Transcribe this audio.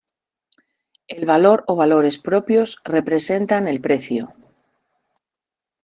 El valor o valores propios representan el precio.